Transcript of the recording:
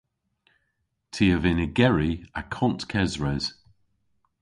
Ty a vynn ygeri akont kesres.